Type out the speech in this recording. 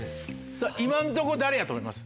さぁ今んとこ誰やと思います？